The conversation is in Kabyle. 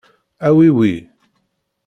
Awi wi.